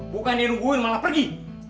bukan dia nungguin malah pergi